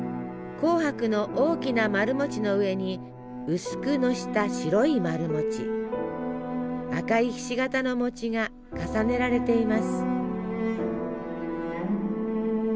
紅白の大きな丸餅の上に薄くのした白い丸餅赤いひし形の餅が重ねられています。